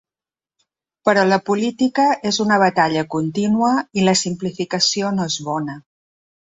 Però la política és una batalla contínua i la simplificació no és bona.